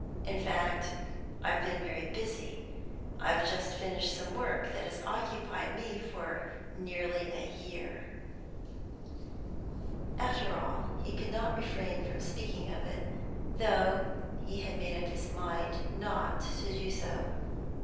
In fact, I've been very busy. I've just finished some work that has occupied me for nearly a year." After all, he could not refrain from speaking of it, though he had made up his mind not to do so.